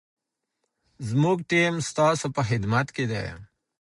زموږ ټیم ستاسو په خدمت کي دی.